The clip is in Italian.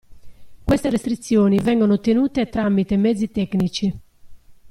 Queste restrizioni vengono ottenute tramite mezzi tecnici.